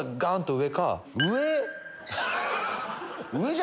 上。